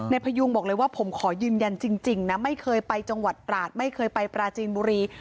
พยุงบอกเลยว่าผมขอยืนยันจริงนะไม่เคยไปจังหวัดตราดไม่เคยไปปราจีนบุรี